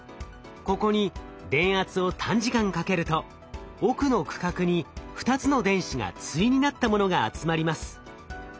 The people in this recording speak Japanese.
ここに電圧を短時間かけると奥の区画に２つの電子が対になったものが集まります。